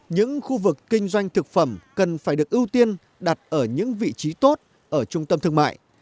những khu vực kinh doanh thực phẩm cần phải được ưu tiên đặt ở những vị trí tốt ở trung tâm thương mại